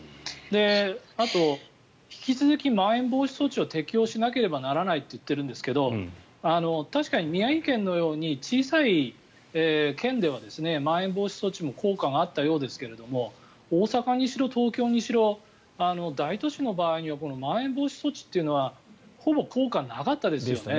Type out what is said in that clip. あと、引き続きまん延防止措置を適用しなければならないって言ってるんですけど確かに宮城県のように小さい県ではまん延防止措置も効果があったようですが大阪にしろ東京にしろ大都市の場合にはまん延防止措置というのはほぼ効果なかったですよね。